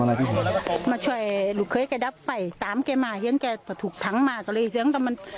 ยายชม๘๓ปีไม่ช่วยลูกเค้ยแก่ดับไฟตามแก่มาเหี้ยงแก่ประถูกทางมา